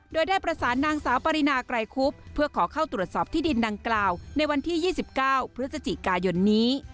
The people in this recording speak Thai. โดยได้ประสานนางสาวปรินาไกรคุบเพื่อขอเข้าตรวจสอบที่ดินดังกล่าวในวันที่๒๙พฤศจิกายนนี้